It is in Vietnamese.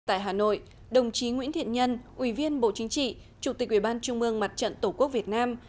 tại hà nội đồng chí nguyễn thiện nhân ủy viên bộ chính trị chủ tịch ubnd mặt trận tổ quốc việt nam